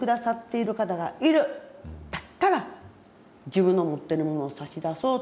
だったら自分の持ってるものを差し出そうと。